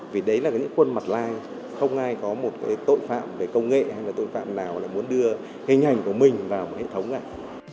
vì đấy là những khuôn mặt lai không ai có một tội phạm về công nghệ hay là tội phạm nào muốn đưa hình hành của mình vào một hệ thống này